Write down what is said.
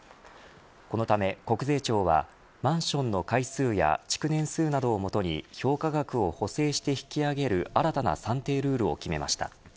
このため国税庁はマンションの階数や築年数などをもとに評価額を補正して引き上げる新たな算定ルールを決めました。